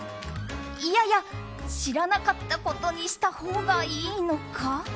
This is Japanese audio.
いやいや、知らなかったことにしたほうがいいのか。